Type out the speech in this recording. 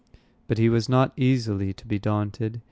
But he was not easily to be daunted.